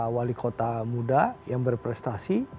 wali kota muda yang berprestasi